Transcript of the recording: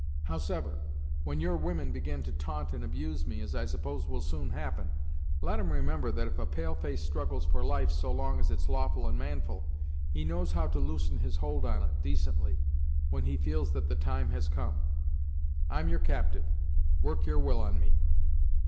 Howsever, when your women begin to ta'nt and abuse me, as I suppose will soon happen, let 'em remember that if a pale face struggles for life so long as it's lawful and manful, he knows how to loosen his hold on it, decently, when he feels that the time has come. I'm your captyve; work your will on me."